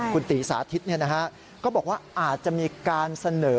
คุณตีสาธิตก็บอกว่าอาจจะมีการเสนอ